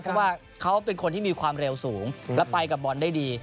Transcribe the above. เพราะว่าเขาเป็นคนที่มีความเร็วสูงและไปกับบอลได้ดี